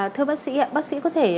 thưa bác sĩ bác sĩ có thể